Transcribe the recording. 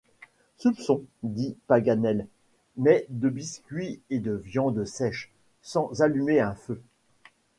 Soupons, dit Paganel, mais de biscuits et de viande sèche, sans allumer un feu.